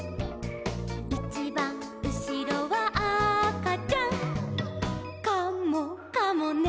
「いちばんうしろはあかちゃん」「カモかもね」